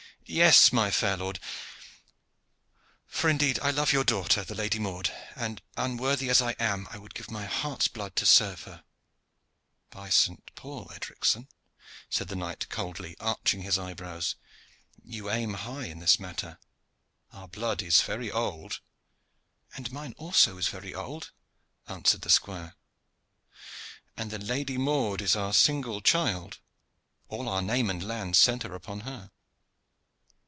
"Yes, my fair lord; for indeed I love your daughter, the Lady Maude; and, unworthy as I am, I would give my heart's blood to serve her." "By St. Paul! Edricson," said the knight coldly, arching his eyebrows, "you aim high in this matter. Our blood is very old." "And mine also is very old," answered the squire. "And the Lady Maude is our single child. All our name and lands centre upon her."